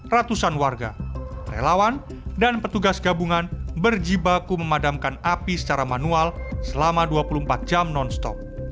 ratusan warga relawan dan petugas gabungan berjibaku memadamkan api secara manual selama dua puluh empat jam non stop